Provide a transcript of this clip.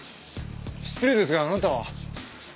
失礼ですがあなたは？